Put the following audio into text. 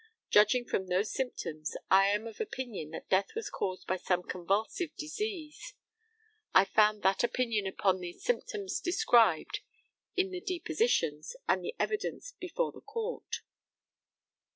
Judging from those symptoms, I am of opinion that death was caused by some convulsive disease. I found that opinion upon the symptoms described in the depositions and the evidence before the Court.